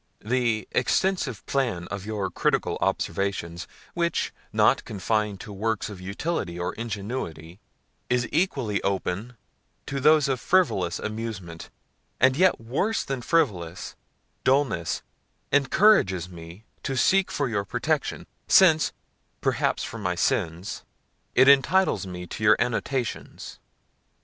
The extensive plan of your critical observations, which, not confined to works of utility or ingenuity, is equally open to those of frivolous amusement, and, yet worse than frivolous, dullness, encourages me to seek for your protection, since, perhaps for my sins! it intitles me to your annotations.